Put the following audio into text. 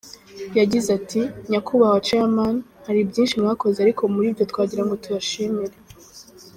Yagize ati “ Nyakubahwa ‘Chairman’ hari byinshi mwakoze ariko muri byo twagira ngo tubashimire.